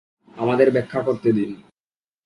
আমাদের ব্যাখ্যা করতে দিন।